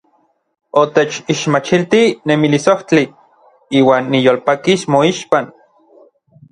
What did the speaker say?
Otechixmachiltij nemilisojtli; iuan niyolpakis moixpan.